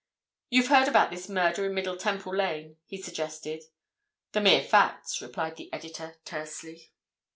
"You've heard about this murder in Middle Temple Lane?" he suggested. "The mere facts," replied the editor, tersely.